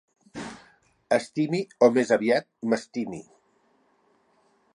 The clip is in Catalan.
Estimi, o més aviat, m'estimi.